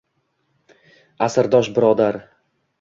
Asrdosh birodar!